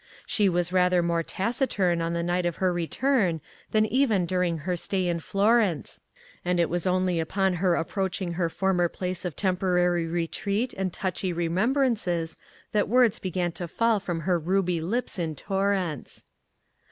She was rather more taciturn on the night of her return than even during her stay in Florence, and it was only on her approaching her former place of temporary retreat and touchy remembrances that words began to fall from her ruby lips in torrents.